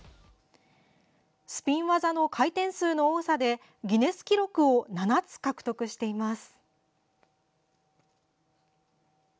スピン技の回転数の多さでギネス記録を７つ獲得しています。